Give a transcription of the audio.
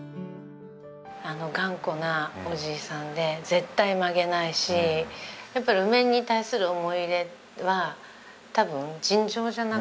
頑固なおじいさんで絶対曲げないしやっぱり梅に対する思い入れは多分尋常じゃなかったね。